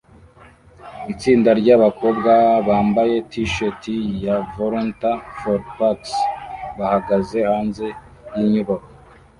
Itsinda ryabakobwa bambaye t-shirt ya "Volunteer for Parks" bahagaze hanze yinyubako